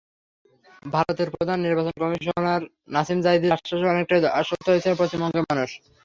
ভারতের প্রধান নির্বাচন কমিশনার নাসিম জাইদির আশ্বাসে অনেকটাই আশ্বস্ত হয়েছিল পশ্চিমবঙ্গের মানুষ।